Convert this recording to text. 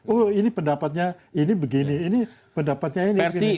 oh ini pendapatnya ini begini ini pendapatnya ini